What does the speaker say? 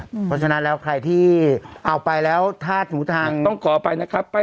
เพราะฉะนั้นแล้วใครที่เอาไปแล้วที่ทางต้องขอไป